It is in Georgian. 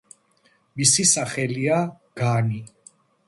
მისი სახელია „განი“.